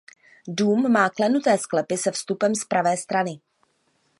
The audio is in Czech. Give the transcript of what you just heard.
Dům má klenuté sklepy se vstupem z pravé strany.